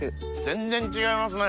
全然違いますね